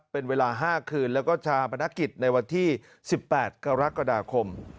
เป็นเวลา๕คืนแล้วก็ชาปนกิจในวันที่๑๘กรกฎาคม